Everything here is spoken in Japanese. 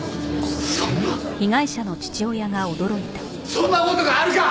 そんな事があるか！